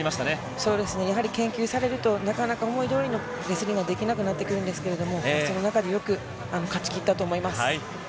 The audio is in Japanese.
そうですね、やはり研究されると、なかなか思いどおりのレスリングはできなくなってくるんですけれども、その中でよく勝ちきったと思います。